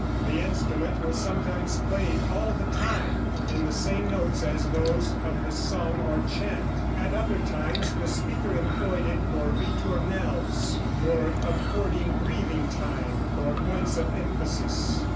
The instrument was sometimes played all the time, in the same notes as those of the song or chant; at other, times the speaker employed it for ritournelles, for affording breathing time or points of emphasis.